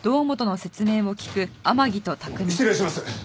失礼します。